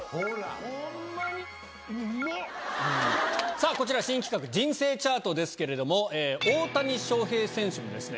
さぁこちら新企画「人生チャート」ですけれども大谷翔平選手もですね